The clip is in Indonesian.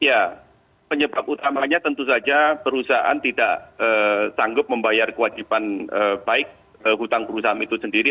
ya penyebab utamanya tentu saja perusahaan tidak sanggup membayar kewajiban baik hutang perusahaan itu sendiri